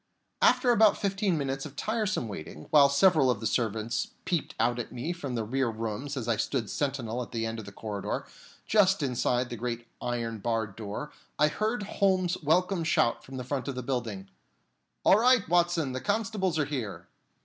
After about fifteen minutes of tiresome waiting, while several of the servants peeped out at me from the rear rooms as I stood sentinel at the end of the corridor, just inside the great iron barred door, I heard Holmes's welcome shout from the front of the building: "All right, Watson; the constables are here!"